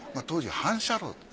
当時反射炉。